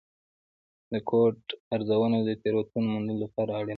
د کوډ ارزونه د تېروتنو موندلو لپاره اړینه ده.